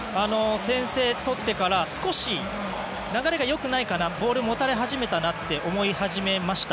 先制を取ってから少し流れが良くないかなボールを持たれ始めたなと思い始めました、